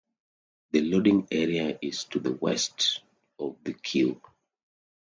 The loading area is to the west of the queue.